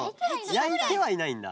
やいてはいないんだ。